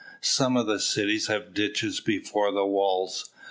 Some of the cities have ditches before the walls.